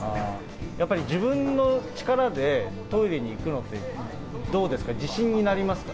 やっぱり自分の力でトイレに行くのって、どうですか、自信になりますか。